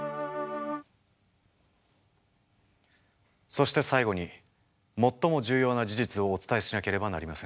そして最後に最も重要な事実をお伝えしなければなりません。